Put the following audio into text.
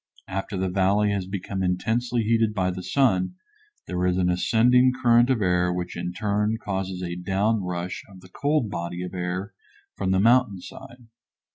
After the valley has become intensely heated by the sun there is an ascending current of air which in turn causes a down rush of the cold body of air from the mountain side.